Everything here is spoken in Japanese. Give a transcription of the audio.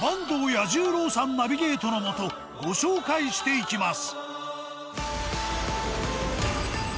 彌十郎さんナビゲートのもとご紹介していきます。